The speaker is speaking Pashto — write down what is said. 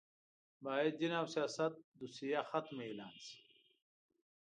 باید دین او سیاست دوسیه ختمه اعلان شي